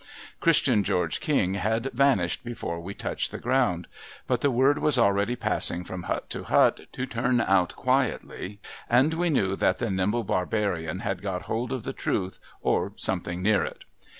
Christian George King had vanished before we touched the ground. But, the word was already passing from hut to hut to turn out quietly, and we knew that the niml)le barbarian had got hold of the truth, or something near it.